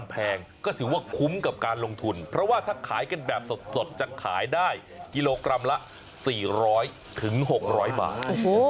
เพราะว่าถ้าขายกันแบบสดจะขายได้กิโลกรัมละ๔๐๐๖๐๐บาท